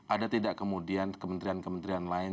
ada tidak kemudian kementrian kementrian lain